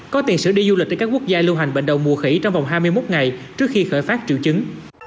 có tiền sử đi du lịch từ các quốc gia lưu hành bệnh đầu mùa khỉ trong vòng hai mươi một ngày trước khi khởi phát triệu chứng